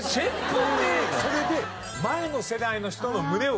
それで。